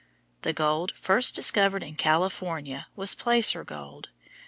The gold first discovered in California was placer gold.